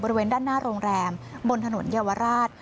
บริเวณด้านหน้าโรงแรมบนถนนเยาวราช